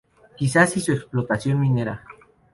Quizás y su explotación minera.